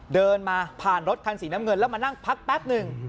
เดินมาผ่านรถคันสีน้ำเงินแล้วมานั่งพักแป๊บหนึ่ง